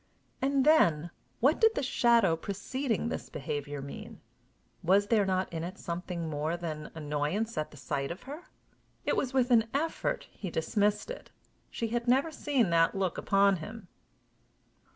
And, then, what did the shadow preceding this behavior mean? Was there not in it something more than annoyance at the sight of her? It was with an effort he dismissed it! She had never seen that look upon him!